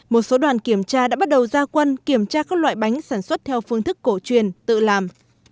một số đoàn kiểm tra đã bắt đầu ra quân kiểm tra các loại bánh sản xuất theo phương thức cổ truyền tự làm